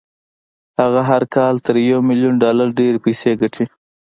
هغه هر کال تر يوه ميليون ډالر ډېرې پيسې ګټي.